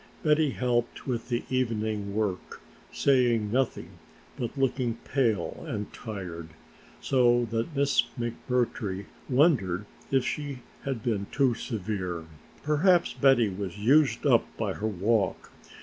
Betty helped with the evening work, saying nothing but looking pale and tired, so that Miss McMurtry wondered if she had been too severe. Perhaps Betty was used up by her walk!